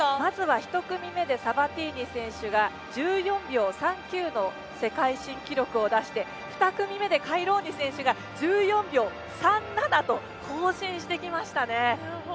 １組目、サバティーニ選手が１４秒３９の世界新記録を出して２組目でカイローニ選手が１４秒３７と更新してきましたね。